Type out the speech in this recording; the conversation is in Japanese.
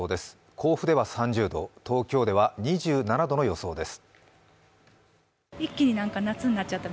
甲府では３０度、東京では２７度の予想です。